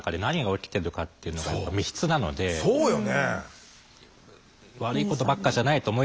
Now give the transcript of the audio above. そうよね。